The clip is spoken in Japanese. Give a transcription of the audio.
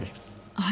はい